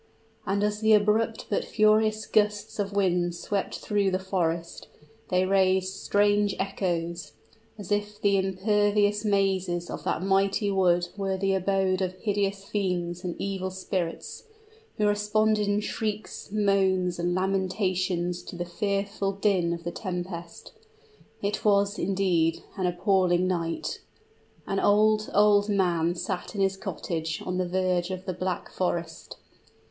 And as the abrupt but furious gusts of wind swept through the forest, they raised strange echoes as if the impervious mazes of that mighty wood were the abode of hideous fiends and evil spirits, who responded in shrieks, moans, and lamentations to the fearful din of the tempest. It was, indeed, an appalling night! An old old man sat in his cottage on the verge of the Black Forest.